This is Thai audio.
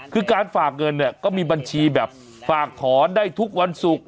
คือการฝากเงินเนี่ยก็มีบัญชีแบบฝากถอนได้ทุกวันศุกร์